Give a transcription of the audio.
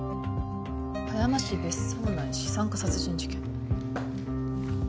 葉山市別荘内資産家殺人事件。